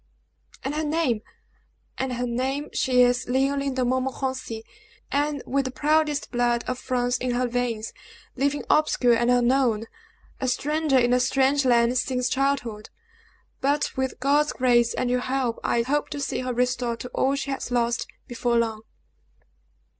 "And her name!" "And her name. She is Leoline De Montmorenci! And with the proudest blood of France in her veins, living obscure and unknown a stranger in a strange land since childhood; but, with God's grace and your help, I hope to see her restored to all she has lost, before long."